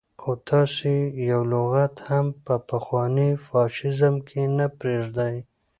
خو تاسو يې يو لغت هم په پخواني فاشيزم کې نه پرېږدئ.